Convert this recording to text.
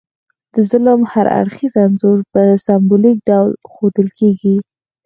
د ظلم هر اړخیز انځور په سمبولیک ډول ښودل کیږي.